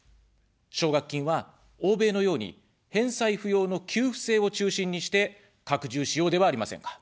奨学金は、欧米のように返済不要の給付制を中心にして、拡充しようではありませんか。